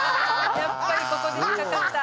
やっぱりここで引っ掛かった。